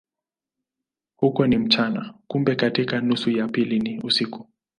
Huko ni mchana, kumbe katika nusu ya pili ni usiku.